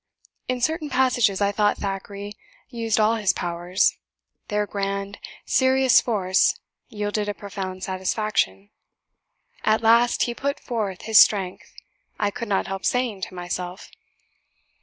In certain passages, I thought Thackeray used all his powers; their grand, serious force yielded a profound satisfaction. 'At last he puts forth his strength,' I could not help saying to myself.